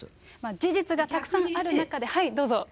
事実がたくさんある中で、はい、どうぞ。